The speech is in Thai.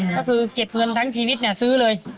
ก็คือเก็บเงินทั้งชีวิตเนี่ยซื้อเลย